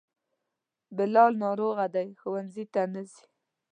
بلال ناروغه دی, ښونځي ته نه ځي